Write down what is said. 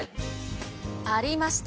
ありました。